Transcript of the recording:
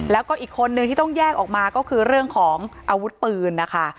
แล้วก็อีกคนนึงที่ต้องแยกออกมาก็คือเรื่องของอาวุธปืนนะคะ